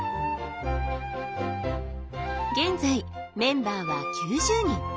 現在メンバーは９０人。